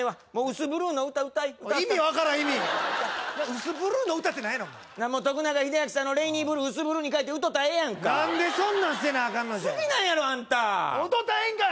薄ブルーの歌歌い意味分からん意味薄ブルーの歌って何やねん徳永英明さんの「レイニーブルー」「薄ブルー」にかえて歌たらええやんか何でそんなんせなアカンのじゃ好きなんやろアンタ歌たらええんかい！